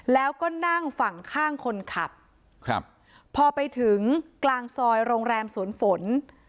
แล้วก็นั่งฝั่งข้างคนขับครับพอไปถึงกลางซอยโรงแรมสวนฝน